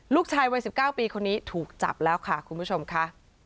ลูกชายวัย๑๙ปีคนนี้ถูกจับแล้วค่ะคุณผู้ชมค่ะ